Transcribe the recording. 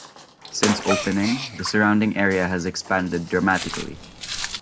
Since opening, the surrounding area has expanded dramatically.